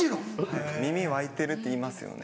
耳わいてるって言いますよね。